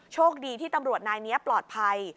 โชคดีที่ตำรวจนายนี้ปลอดภัย